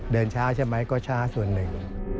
เดินช้าใช่ไหมก็ช้าส่วนหนึ่ง